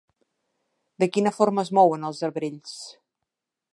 De quina forma es mouen els arbrells?